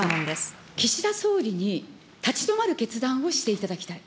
きょうは岸田総理に、立ち止まる決断をしていただきたい。